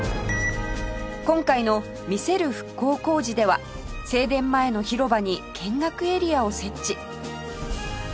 今回の「見せる復興工事」では正殿前の広場に見学エリアを設置